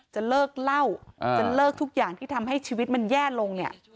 จะเลิกเล่าจะเลิกทุกอย่างที่ทำให้ชีวิตมันแย่ลงเนี่ย